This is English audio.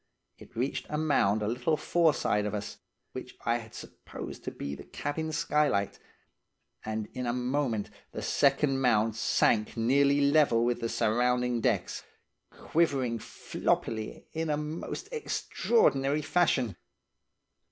It reached a mound a little foreside of us, which I had supposed to be the cabin skylight, and in a moment the second mound sank nearly level with the surrounding decks, quivering floppily in a most extraordinary fashion.